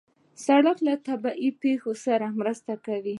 سړک له طبیعي پېښو سره مرسته کوي.